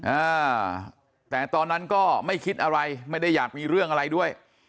อ่าแต่ตอนนั้นก็ไม่คิดอะไรไม่ได้อยากมีเรื่องอะไรด้วย